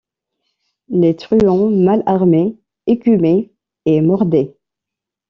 Les truands, mal armés, écumaient et mordaient.